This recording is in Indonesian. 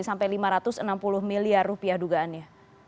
sampai rp lima ratus enam puluh miliar dugaannya